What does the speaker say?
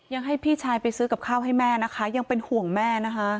ยังให้พี่ชายไปซื้อกับข้าวให้แม่นะคะยังเป็นห่วงแม่นะคะ